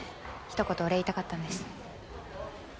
ひと言お礼言いたかったんです。